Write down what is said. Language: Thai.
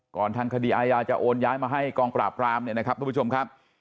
ทางคดีอาญาจะโอนย้ายมาให้กองปราบรามเนี่ยนะครับทุกผู้ชมครับ